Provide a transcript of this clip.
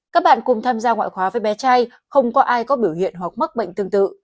các bạn cùng tham gia ngoại khóa với bé trai không có ai có biểu hiện hoặc mắc bệnh tương tự